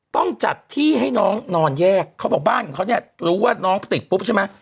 ต้องจัดที่ให้น้องนอนแยกเขาบอกบ้านของเขาเนี่ยรู้ว่าน้องติดปุ๊บใช่ไหม